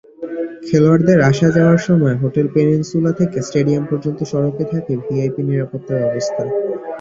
খেলোয়াড়দের আসা-যাওয়ার সময় hotel peninsula থেকে স্টেডিয়াম পর্যন্ত সড়কে থাকে ভিভিআইপি নিরাপত্তাব্যবস্থা।